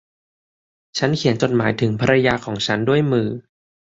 ฉันเขียนจดหมายถึงภรรยาของฉันด้วยมือ